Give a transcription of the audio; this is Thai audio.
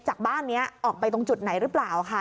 จากบ้านนี้ออกไปตรงจุดไหนหรือเปล่าค่ะ